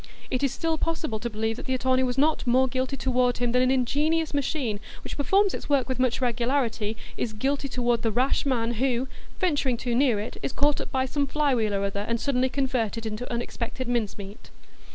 It is still possible to believe that the attorney was not more guilty toward him than an ingenious machine, which performs its work with much regularity, is guilty toward the rash man who, venturing too near it, is caught up by some fly wheel or other, and suddenly converted into unexpected mince meat.